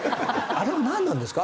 あれはなんなんですか？